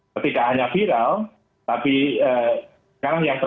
ketika hanya viral tapi sekarang yang